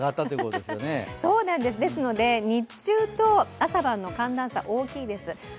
ですので日中と朝晩の寒暖差大きいです。